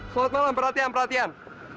selamat malam perhatian perhatian